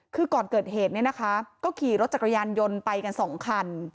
คือก่อนเกิดเหตุก็ขี่รถจักรยานยนต์ไปกัน๒คัน